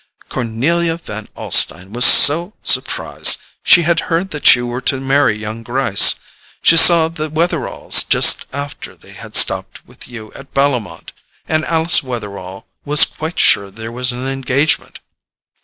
"Cornelia Van Alstyne was so surprised: she had heard that you were to marry young Gryce. She saw the Wetheralls just after they had stopped with you at Bellomont, and Alice Wetherall was quite sure there was an engagement.